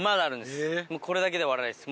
これだけで終わらないです